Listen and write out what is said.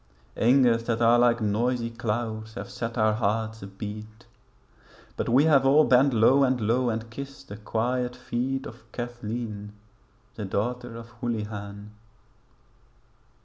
Angers that are like noisy clouds have set our hearts abeat; But we have all bent low and low and kissed the quiet feet Of Cathleen the daughter of Houlihan.